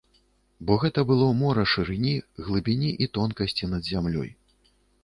Бо гэта было мора шырыні, глыбіні і тонкасці над зямлёй.